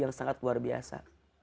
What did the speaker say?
yang beliau yang sangat luar biasa